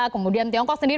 kemudian tiongkok sendiri